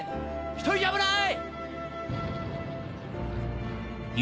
１人じゃ危ない！